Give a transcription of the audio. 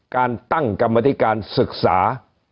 การตั้งกรรมธิการศึกษา